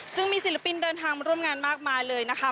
ซึ่งมีศิลปินเดินทางมาร่วมงานมากมายเลยนะคะ